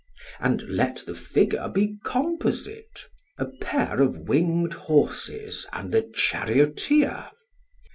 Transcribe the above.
And let the figure be composite a pair of winged horses and a charioteer.